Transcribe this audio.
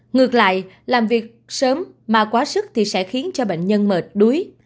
ngược lại làm việc sớm mà quá sức thì sẽ khiến cho bệnh nhân mệt đuối